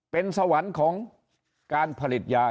เป็นสวรรค์ของการผลิตยา